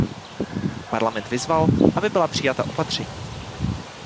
Parlament vyzval, aby byla přijata opatření.